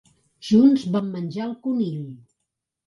Junts van menjar el conill.